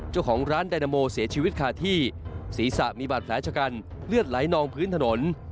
เจ้าของร้านไดนาโมเสียชีวิตคาที่ศีรษะมีบาดแผลชะกันเลือดไหลนองพื้นถนน